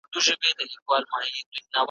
که غوایی دي که وزې پکښی ایله دي ,